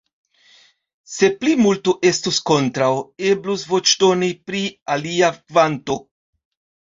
Se plimulto estus kontraŭ, eblus voĉdoni pri alia kvanto.